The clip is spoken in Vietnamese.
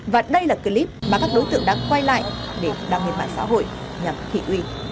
và đây là clip mà các đối tượng đã quay lại để đăng lên mạng xã hội nhằm thị uy